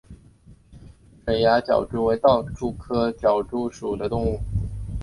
水涯狡蛛为盗蛛科狡蛛属的动物。